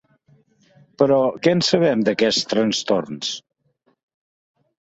Però què en sabem d’aquests trastorns?